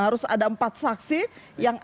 harus ada empat saksi yang